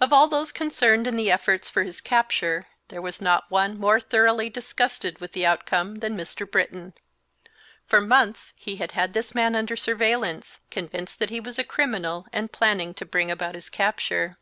Of all those concerned in the efforts for his capture there was not one more thoroughly disgusted with the outcome than Mr. Britton. For months he had had this man under surveillance, convinced that he was a criminal and planning to bring about his capture.